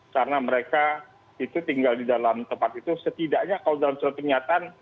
karena mereka itu tinggal di dalam tempat itu setidaknya kalau dalam contoh kenyataan